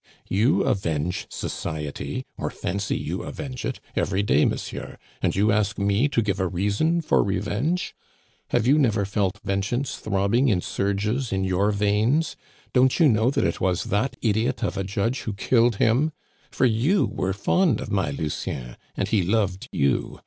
"You avenge society, or fancy you avenge it, every day, monsieur, and you ask me to give a reason for revenge? Have you never felt vengeance throbbing in surges in your veins? Don't you know that it was that idiot of a judge who killed him? For you were fond of my Lucien, and he loved you!